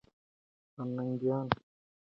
پرنګیان د افغان غازیو مقابلې ته تیار نه ول.